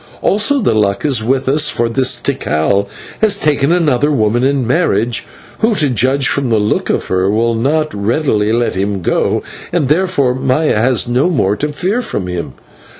Also the luck is with us, for this Tikal has taken another woman in marriage, who, to judge from the look of her, will not readily let him go, and therefore Maya has no more to fear from him.